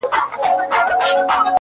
• هم په دام کي وه دانه هم غټ ملخ وو ,